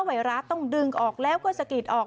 ไวรัสต้องดึงออกแล้วก็สะกิดออก